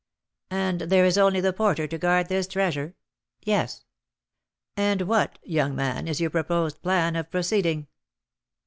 "And there is only the porter to guard this treasure?" "Yes." "And what, young man, is your proposed plan of proceeding?"